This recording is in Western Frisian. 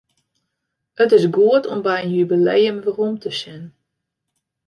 It is goed om by in jubileum werom te sjen.